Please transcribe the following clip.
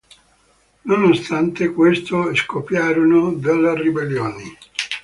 Nonostante questo, scoppiarono delle ribellioni.